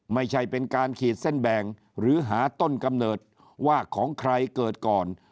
ไม่ใช่เป็นการขีดเส้นแบ่งหรือหาต้นกำเนิดว่าของใครเกิดก่อน